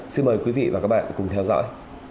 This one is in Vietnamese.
xin mời quý vị và các bạn cùng theo dõi